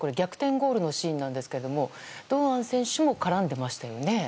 ゴールのシーンですが堂安選手も絡んでいましたよね。